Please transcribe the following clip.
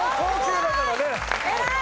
偉い！